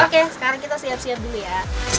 oke sekarang kita siap siap dulu ya